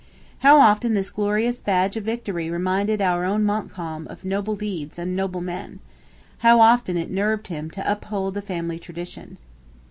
How often this glorious badge of victory reminded our own Montcalm of noble deeds and noble men! How often it nerved him to uphold the family tradition!